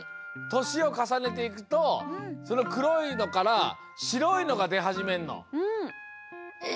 としをかさねていくとそのくろいのからしろいのがではじめんの。え？